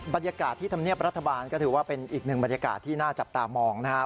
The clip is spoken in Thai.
บรรยากาศที่ธรรมเนียบรัฐบาลก็ถือว่าเป็นอีกหนึ่งบรรยากาศที่น่าจับตามองนะครับ